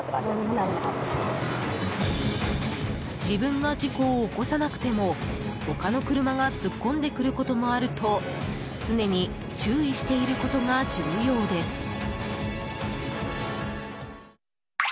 自分が事故を起こさなくても他の車が突っ込んでくることもあると常に注意していることが重要です。